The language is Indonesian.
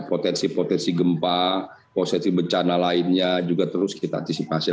potensi potensi gempa potensi bencana lainnya juga terus kita antisipasi